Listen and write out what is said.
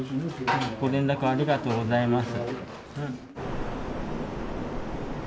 ご連絡ありがとうございます。